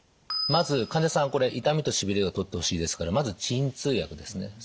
まず患者さん痛みとしびれを取ってほしいですからまず鎮痛薬ですね。